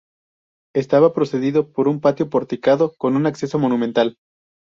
Estaba precedido por un patio porticado con un acceso monumental.